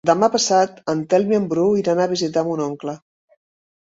Demà passat en Telm i en Bru iran a visitar mon oncle.